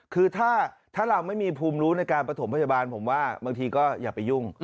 คือถ้าเราไม่มีภูมิรู้ในการประถมพยาบาลผมว่าบางทีก็อย่าไปยุ่ง